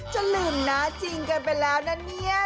จะลืมนะจริงกันไปแล้วนะเนี่ย